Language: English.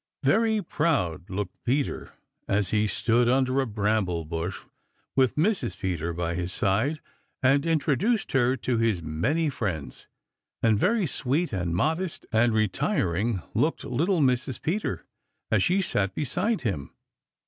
Very proud looked Peter as he stood under a bramble bush with Mrs. Peter by his side and introduced her to his many friends, and very sweet and modest and retiring looked little Mrs. Peter as she sat beside him.